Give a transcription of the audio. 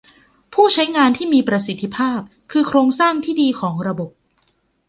ผู้ใช้งานที่มีประสิทธิภาพคือโครงสร้างที่ดีของระบบ